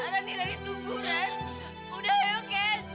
rani rani tunggu rani